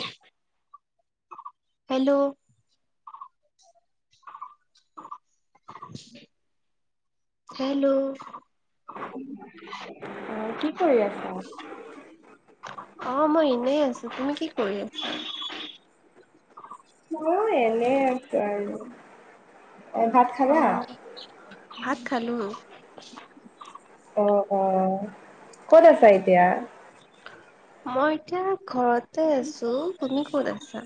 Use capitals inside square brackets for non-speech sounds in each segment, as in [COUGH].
উমহ hello [UNINTELLIGIBLE] hello অ কি কৰি আছা? অ মই এনেই আছো, তুমি কি কৰি আছা? মইয়ো এনেই আছো আৰু, এ ভাত অ খালা? ভাত খালো উম অ অ, ক'ত আছা এতিয়া? মই এতিয়া ঘৰতে আছো, তুমি ক'ত আছা?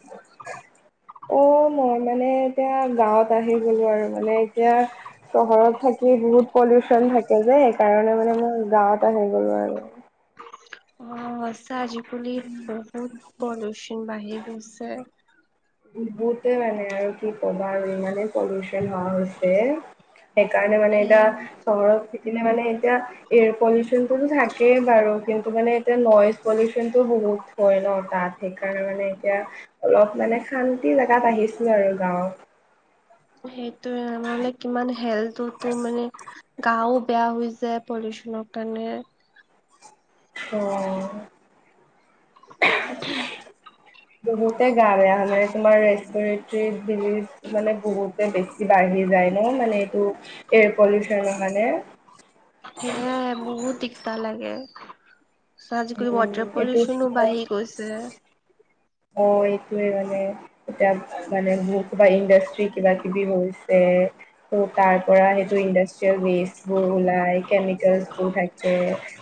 [UNINTELLIGIBLE] অ মই মানে এতিয়া গাঁৱত আহি গ'লো আৰু মানে এতিয়া চহৰত থাকি বহুত পলিউচন থাকে যে সেইকাৰণে মানে মই গাঁৱত আহি গ'লো আৰু। অ সঁচা আজিকালি বহুত পলিউচন বাঢ়ি গৈছে। বহুতে মানে আৰু কি কবা আৰু ইমানেই পলিউচন হোৱা হৈছে। সেইকাৰণে মানে সেই এতিয়া, চহৰত থাকিলে মানে এতিয়া এয়াৰ পলিউশনটোতো থাকেই বাৰু কিন্তু মানে এতিয়া নইজ পলিউচনতটো বহুত হয় ন তাত সেইকাৰণে মানে এতিয়া অলপ মানে শান্তি জেগাত আহিছো আৰু গাঁৱত। সেইটোৱে নহলে কিমান হেলোটোতো মানে গাও বেয়া হৈ যায় পলিউচনৰ কাৰণে। অ বহুতে গা বেয়া হলে তোমাৰ ৰেষ্টৰেটৰ বি মানে বহুতে বেছি বাঢ়ি যায় ন মানে এইটো এয়াৰ পলিউচন কাৰণে। সেয়ে বহুত দিগদাৰ লাগে। আজিকালি উম ওৱাটাৰ এইটো পলিউচনো স্মগ বাঢ়ি গৈছে। অ এইটোৱে মানে এতিয়া মানে মোৰ কিবা ইণ্ডাষ্ট্ৰি কিবা কিবি হৈছে ত' তাৰ পৰা সেইটো ইণ্ডাষ্ট্ৰিয়েল ৱেষ্টবোৰ উলাই কেমিকেলচবোৰ থাকে।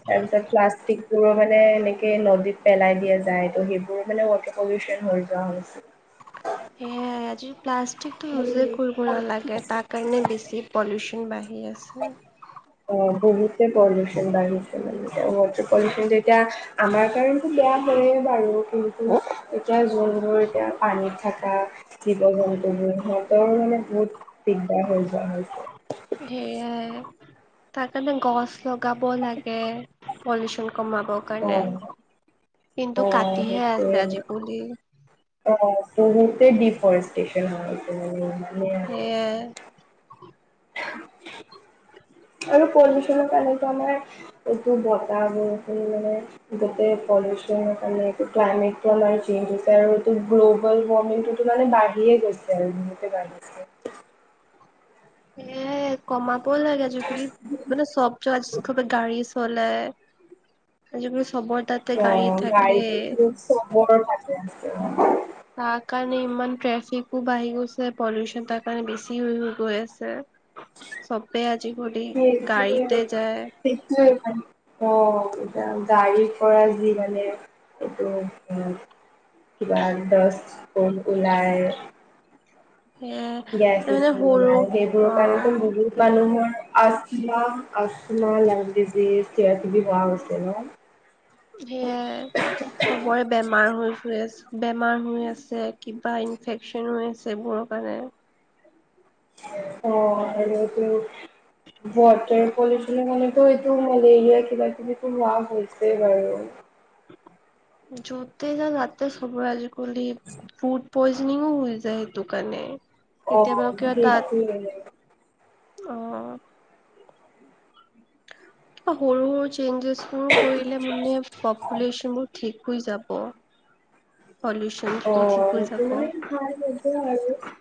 তাৰপিছত প্লাষ্টিক বোৰো মানে এনেকে নদীত পেলাই দিয়া যায় ত' সেইবোৰো মানে ৱাটাৰ পলিউশ্যন হৈ যোৱা হৈছে। সেয়া আজি প্লাষ্টিকটো ইউজেই কৰিব নালাগে তাৰ কাৰণে বেছি পলিউচন বাঢ়ি আছে। অ বহুতে পলিউচন বাঢ়িছে মানে ওৱাটাৰ পলিউচনটো এতিয়া আমাৰ কাৰণ বেয়া হয়ে বাৰু কিন্তু এতিয়া যোনবোৰ এতিয়া পানীত থকা জীৱ জন্তুবোৰ সিহঁতৰ মানে বহুত দিগদাৰ হৈ যোৱা হৈছে। সেয়াই তাৰ কাৰণে গছ লগাব লাগে। পলিউচন কমাবৰ কাৰণে অ', কিন্তু অ', কাটিহে আছে সেইটোৱে। আজি পুলি অ ডিফৰেষ্টেশন হয় অহ সেয়ে আৰু পলিউশনৰ কাৰণেতো আমাৰ বেছি বতাহ বৰষুণ মানে যাতে পল্যুচন কাৰণে ক্লাইমেটটো আমাৰ চেঞ্জ হৈছে আৰু গ্ল'বল ৱৰ্মিংটো টো মানে বাঢ়িয়ে গৈছে আৰু যিমতে বাঢ়িছে এ কমাব লাগে আজিকালি মানে চব যাতে গাড়ী চলে আজিকালি চবৰ তাত অ গাড়ীতো টো চবৰ থাকে তাৰ কাৰণে ইমান ট্ৰেফিকো বাঢ়ি গৈছে পলিউচন তাৰ কাৰণে বেছি হৈ হৈ গৈ আছে [INAUDIBLE] চবে আজিকালি গাড়ীতে যায় সেইটো মানে অ এতিয়া গাড়ীৰ পৰা যি মানে এইটো কিবা দছ ফুল ওলাই সেয়াই গেছ ইউচ তাৰমানে সৰু কোনোবাই সেইবোৰৰ অ পৰাই তো আমি ভুগো মানুহৰ আষ্টমা আষ্টমা লাইভ ডিজিছ কিবা কিবি হোৱা হৈছে ন সে চবৰে বেমাৰ হৈছে বেমাৰ হৈ আছে কিবা ইনফেক ন হৈ আছে এইবোৰৰ কাৰণে অ এনে কি ওৱাটাৰ পলিউচনৰ কাৰণে এইটো মেলেৰিয়া কিবা কিবি বোৰ হোৱা হৈছে বাৰু যতে যা তাতে চবৰে আজিকালি ফুট পইজনিং হৈ যায় সেইটো কাৰণে অ কেতিয়াবা কিবা তাত সেইটোৱে অ সৰু সৰু চেঞ্জেছ বোৰ কৰিলে মানে পপুলেশ্যন বোৰ ঠিক হৈ যাব পলুচন অ সেইটো কাৰণে [UNINTELLIGIBLE]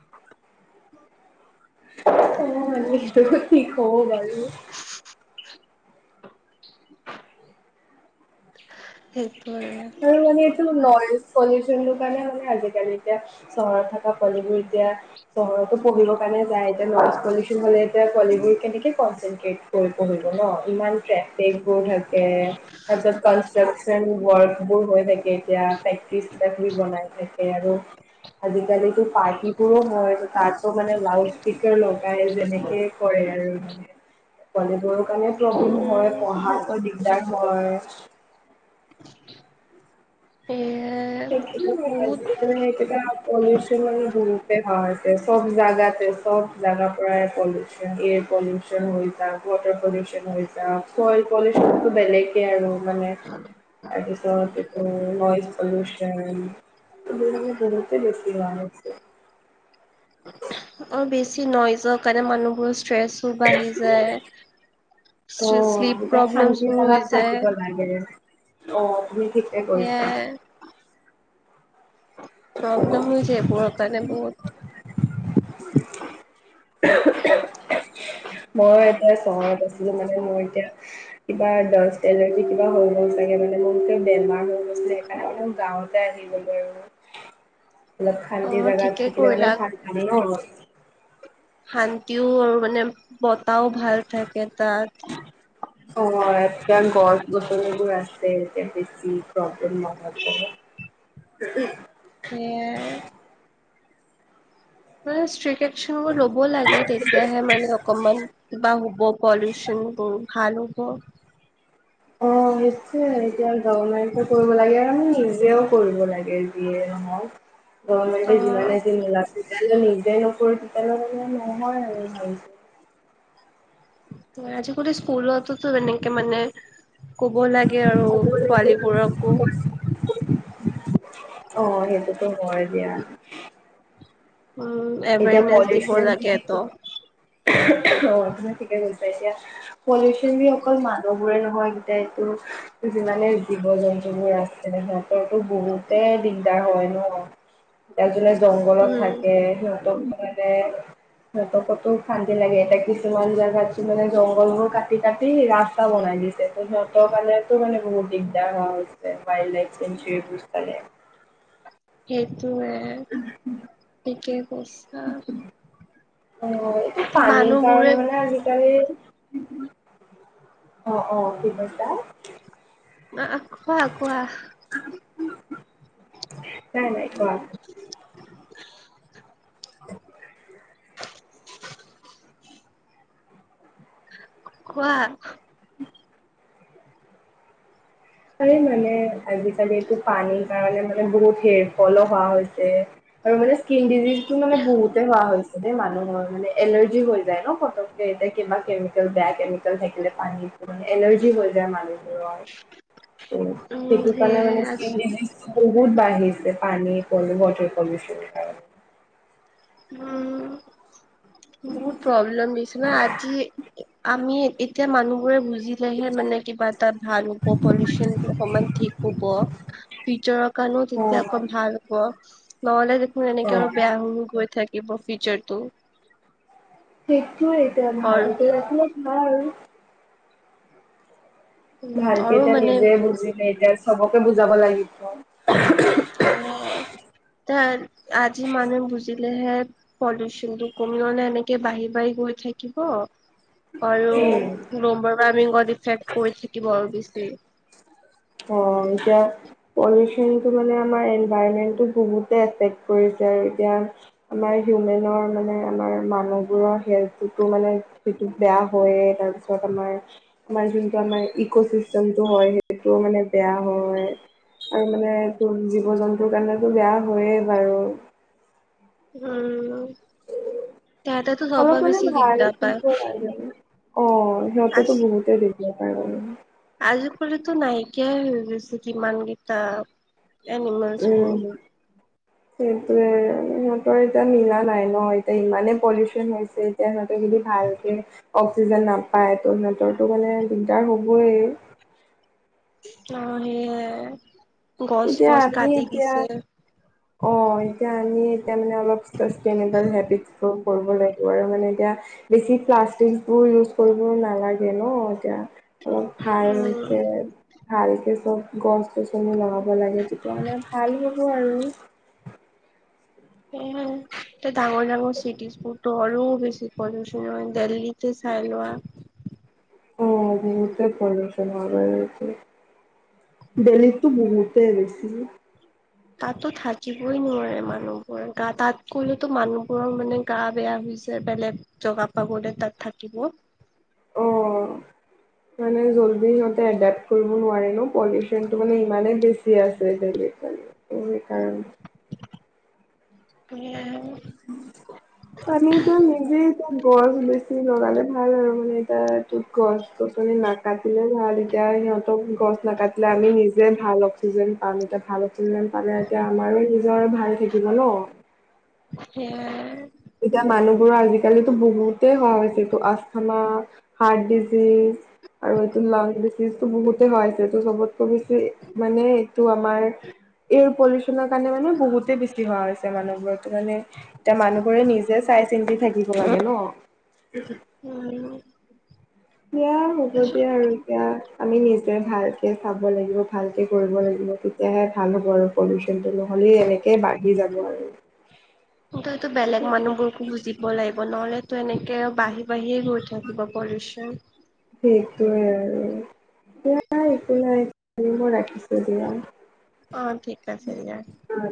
অ সেইটো মানে কি কব বাৰু। [INAUDIBLE] সেইটোৱে‌ আৰু আৰু মানে এইটো নইজ পলিউশ্যনটো কাৰণে হ'ল আজিকালি এতিয়া চহৰত থকা পোৱালিবোৰ এতিয়া চহৰতো পঢ়িব কাৰণে যায় এতিয়া নইজ পলিউশ্যন হ'লে এতিয়া পোৱালিবোৰ কেনেকে কনশ্যেনট্ৰেত ক'ত পঢ়িব ন ইমান ট্ৰেফিকবোৰ থাকে তাৰপিছত কনষ্ট্ৰাক তান ৱৰ্কবোৰ হৈ থাকে এতিয়াে প্ৰেক্টিছ কিবা কিবি বনাই থাকে আৰু, আজিকালি টো পাৰ্টিবোৰো হয় তাৰপিছত মানে লাউড স্পীকাৰ ল গাই যেনেকে কৰে আৰু মানে, পোৱালিবোৰৰ কাৰণে প্ৰব্লেম হয় উম পঢ়াটো দিগ দিস্তাব হয়। [INAUDIBLE] সেয়াই একো নাই বহুত আজিকালি মানে একেটা পলিউশ্যন আৰু বহুতে হয় তে চব জেগাতে চব জাগাৰ পৰায় পলিউশ্যন, এয়াৰ পলিউ চন হৈ যাওক, ৱাটাৰ পলিউশ্যন হৈ যাওক, ছইল পলিউশ্যনটো বেলেগে আৰু মানে তাৰপিছত এইটো নইজ পলিউশ্যন, এইবোৰ মানে বহুতে বেছি হোৱা হৈছে। [INAUDIBLE] অ', বেছি নইজৰ কাৰণে মানুহবোৰ ষ্ট্ৰেছ টো বাঢ়ি যায়, অ শ্লিপ এতিয়া শান্তি প্ৰব্লেমছো জাগাত হৈ যায়। থাকিব লাগে, অ', তুম কি সেইয়াই প্ৰব্লেম হৈছে এইবোৰৰ কাৰণে বহুত। মই এতিয়া চহৰত আছিলো মানে মোৰ এতিয়া কিবা ডষ্ট এলাৰ্জি কিবা হৈ গৈছে মানে বহুতে বেমাৰ হৈ গৈছে সেইকাৰণে মানে গাঁৱত তে আহি গ'লো বাৰু, অলপ শান্তি অ জোগাত ঠিকে থাকিলে মানে কৰিলা ভাত লাগে ন। শান্তিও আৰু মানে বতাও ভাল থাকে তাত। অ একে গছ-গছনিবোৰ আছে এতিয়া বেছি প্ৰব্লেম নহব। [UNINTELLIGIBLE] সেইয়ে। মানে ষ্টিক একচন ল'ব লাগে তেতিয়াহে মানে অক কমান কিবা হ'ব, পলিউচনবোৰ ভাল হ'ব। অ নিশ্চয় এতিয়া গভৰ্ণমেণ্টটো কৰিব লাগে আৰু নিজেও কৰিব লাগ তাকে যিয়ে নহওঁক, গভৰ্ণমেণ্ট যিমানে জি নোলাওক তেতিয়া লৈ নিজে নকৰো তেতিয়ালৈ মনে নহয় আৰু ভালকে। তৰ আজিকোতো স্কুলটোতো এনেকে মানে ক'ব লাগে আৰু পোৱালীবোৰকো। অ সেইটোতো হয় দিয়া। উম, এতিয়া এৱাৰনেছ দিব পলিউচন লাগে ত। অ তুমি ঠিকে কৈছা এতিয়া পলিউচন বুলি মানুহবোৰে নহয় তে তো যিমানে জীৱ-জন্তুবোৰ আছে সিহঁতৰটো বহুতে দিগদাৰ হয় ন। এ যোনে জংঘলত উম থাকে সিহঁতক মানে সিহঁতকটো শান্তি লাগে এতিয়া কিছুমান জাগত চোন মানে জংঘলবোৰ কাটি কাটি ৰাস্তা বনাই দিছে। টো সিহঁতৰ কাৰণটো মনে বহুত দিগদাৰ হোৱা হৈছে ৱাইল্ডলাইফ চেঞ্চুৰীবোৰ চালে। সেইটোৱে, ঠিকে কৈছ অ এইটো পানীৰ মানুহবোৰে কাৰণে মানে আজিকালি অ অ, কি কৈছা? অ অ খোৱা, কোৱা? নাই নাই, কোৱা? [INAUDIBLE] [INAUDIBLE] খোৱা। পাৰি মানে আজিকালি এইটো পানী কাৰনে মানে বহুত হেৰ ফল হোৱা হৈছে আৰু মানে স্কিন ডিজিজ টো মানে বহুতে হোৱা হৈছে। তাতে মানুহৰ মানে এলাৰ্জি হৈ যায় ন ফটককে এতে কিবা কেমিকেল বেয়া কেমিকেল থাকিলে পানী মানে এলাৰ্জি হৈ যায় মানুহবোৰৰ। [INAUDIBLE] উ, উম সেইটো কাৰণে সেয়ে মানে স্কিন আজি ডিজিজ বহুত বাঢ়িছে পানী পল ৱাটাৰ পলিউচন কাৰণে। উম বহুত প্ৰব্লেম দিছো ন আজি আমি ইত তিয়া মানুহবোৰে বুজি লেহে মানে কিবা এটা ভাল হ'ব পলিউচন অকমান ঠিক হ'ব। ফিউচাৰ কাণো তেতিয়া অক অ'। ভাল হ'ব। নহ'লে দেখোন এনেকে আৰু অ', বেয়া হৈ হৈ গৈ থাকিব ফিউচাৰটো। সেইটোয়ে আৰু ভালকৈ [UNINTELLIGIBLE] উম ভালকে আৰু এতিয়া মানে নিজে বুজিলে এতিয়া চবকে বুজাব লাগিব। হয়, তাই আজি মানে বুজি - লেহে পলিউশ্যন টো কমি গলে এনেকে বাঢ়ি বাঢ়ি গৈ থাকিব। আৰু গ্ল'বেল ৱাৰ্মিঙত এফেক্ট কৰি থাকিব বেছি। অ এতিয়া - পলিউশ্যনটো মানে আমাৰ এনভাইৰমেণ্টটো বহুতে এফেক্ট কৰিছে আৰু এতিয়া - আমাৰ হিউমেনৰ মানে আমাৰ মানুহবোৰৰ হেল্থতোটো মানে - সেইটো বেয়া হয়ে, তাৰপিছত আমাৰ আমাৰ যোনটো আমাৰ ইক'চিষ্টেম টো হয়। টো মানে বেয়া হয়। আৰু মানে তোৰ জীৱ-জন্তুৰ কাৰণেতো বেয়া হয়য়েই বাৰু। [UNINTELLIGIBLE] তাহাঁতেতো [UNINTELLIGIBLE] অলপ চবৰ মানে বেছি ভাল, দিগদাৰ পায় অ আজ সিহঁতেতো বহুতে দে। [UNINTELLIGIBLE] কাৰণে আজিকালিতো নাইকিয়াই হৈ গৈছে যিমান কেইটাপ। উম। সেইটোৱে সিহঁতৰ এতিয়া মিলা নাই ন এতিয়া ইমানেই পলিউশ্যন হৈছে। এতিয়া সিহঁতে যদি ভালকে অক্সিজেন নাপায় ত' সিহঁতৰতো মানে দিগদাৰ হ'বই। অ, সেয়ে এতিয়া গছ-বছ আমি কাটি এতিয়া দিছে। অ এতিয়া আমি এতিয়া মানে অলপ চাষ্টেইনেবল হেবিটোৰ কৰিব লাগিব আৰু মানে এতিয়া - বেছি প্লাষ্টিক বোৰ ইউজ কৰিব নালাগে ন এতিয়া - অ উম ভালকে - ভালকে চব গছ-গছনি লগাব লাগে তেতিয়া হ'লে ভাল হ'ব আৰু। সেইয়াই। এতিয়া ডাঙৰ ডাঙৰ চিটিজ বোৰটো আৰু বেছি পলিউশ্যন হয় দেল্লিতে চাই লোৱা। অ বহুতে পলিউশ্যন হয় বাৰুতে। দিল্লীত টো বহুতে বেছি। তাতটো থাকিবই নোৱাৰে মানুহবোৰ, গা তাত গলেতো মানুহবোৰৰ মানে গা বেয়া হৈ - যায়, বেলেগ জগা পা গলে তাত থাকিব। অ', মানে জলদি সিহঁতে এডাপ্ট কৰিব নোৱাৰে ন। পলিউশ্যনটো মানে ইমানেই বেছি আছে দিল্লীত সেইকাৰণে। তুমি আৰু - [UNINTELLIGIBLE] পানীটো নিজে এতিয়া গছ বেছি লগালে ভাল আৰু, মানে এতিয়া এইটো গছ - গছনি নাকাটিলে ভাল। এতিয়া সিহঁতক, গছ নাকাটিলে আমি নিজে ভাল অক্সিজেন পাম। এতিয়া ভাল - অক্সিজেন পালে এতিয়া আমাৰো নিজৰ থাকিব ন। সেয়াই - এতিয়া মানুহবোৰৰ আজিকালিটো বহুতেই হোৱা হৈছে, এইটো আস্থামা - হাৰ্ট ডিচিজ আৰু এইটো লাং ডিচিজটো বহুতে হোৱা হৈছে। এইটো চবত - কমিছিল, মানে এইটো আমাৰ, এয়াৰ পলিউশ্যনৰ কাৰণে মানে বহুতে বে ছি হোৱা হৈছে মানুহবোৰৰ, এইটো মানে এতিয়া মানুহবোৰে নিজে চা চাই চিন্তি থাকিব লাগে ন? উম। দিয়া হ'ব দিয়া আৰু এতিয়া আমি নিজে ভালকে চাব লাগিব, ভালকে কৰিব লাগিব। তেতিয়াহে ভাল হ'ব আৰু। পলিউশ্যনটো, নহ'লে এনেকেই বাঢ়ি যাব আৰু। সেইটোতো বেলেগ মানুহবোৰকো বুজিব লাগিব, নহ'লেটো এনেকে আৰু বাঢ়ি বাঢ়িয়ে গৈ থাকিব পলিউশ্যন। সেইটোৱে আৰু, দিয়া একো নাই মই ৰাখিছোঁ দিয়া। অঁ, অ ঠিক আছে দিয়া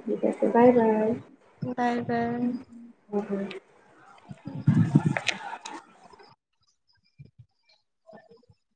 ঠিক আছে bye bye. Bye bye good night. [INAUDIBLE]